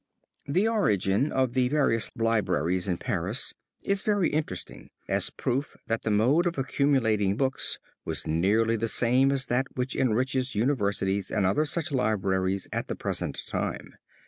The origin of the various libraries in Paris is very interesting as proof that the mode of accumulating books was nearly the same as that which enriches university and other such libraries at the present time.